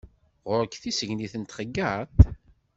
Γur-k tissegnit n txeyyaṭ?